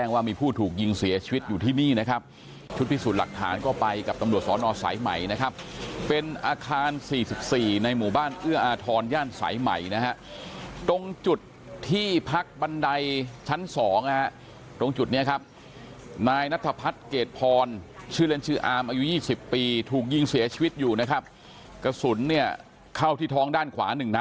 ว่ามีผู้ถูกยิงเสียชีวิตอยู่ที่นี่นะครับชุดพิสูจน์หลักฐานก็ไปกับตำรวจสอนอสายใหม่นะครับเป็นอาคาร๔๔ในหมู่บ้านเอื้ออาทรย่านสายใหม่นะฮะตรงจุดที่พักบันไดชั้นสองนะฮะตรงจุดนี้ครับนายนัทพัฒน์เกรดพรชื่อเล่นชื่ออามอายุ๒๐ปีถูกยิงเสียชีวิตอยู่นะครับกระสุนเนี่ยเข้าที่ท้องด้านขวาหนึ่งนัด